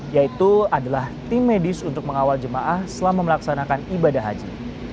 yaitu adalah tim medis untuk mengawal jemaah selama melaksanakan ibadah haji